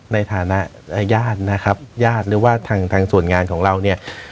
ในฐานะญาตินะครับญาติหรือว่าทางส่วนงานของเราเนี่ย